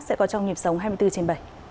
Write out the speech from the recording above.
sẽ có trong nhịp sống hai mươi bốn trên bảy